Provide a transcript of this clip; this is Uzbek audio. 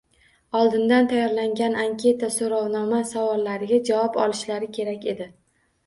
Oldindan tayyorlangan anketa-so‘rovnoma savollariga javob olishlari kerak edi